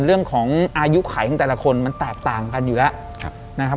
เรื่องของอายุขายของแต่ละคนมันต่างกันอยู่แล้ว